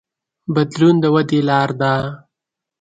بدلون د ودې لار ده.